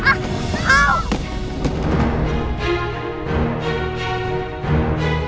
pergi kamu dari sini